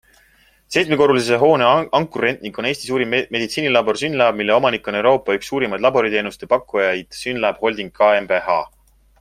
Seitsmekorruselise hoone ankurrentnik on Eesti suurim meditsiinilabor SYNLAB, mille omanik on Euroopa üks suurimaid laboriteenuste pakkujaid SYNLAB Holding GmbH.